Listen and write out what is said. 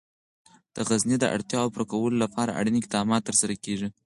د غزني د اړتیاوو پوره کولو لپاره اړین اقدامات ترسره کېږي.